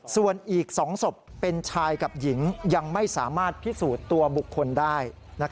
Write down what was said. ส่วนอีก๒ศพเป็นชายกับหญิงยังไม่สามารถพิสูจน์ตัวบุคคลได้